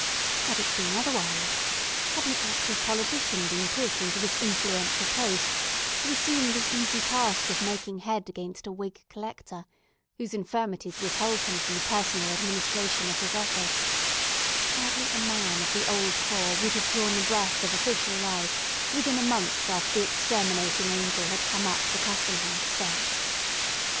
Had it been otherwise—had an active politician been put into this influential post, to assume the easy task of making head against a Whig Collector, whose infirmities withheld him from the personal administration of his office—hardly a man of the old corps would have drawn the breath of official life within a month after the exterminating angel had come up the Custom House steps.